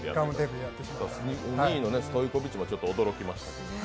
２位のストイコビッチも驚きました。